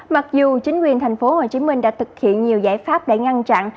mặc dù chính quyền thành phố hồ chí minh đã thực hiện nhiều giải pháp để ngăn chặn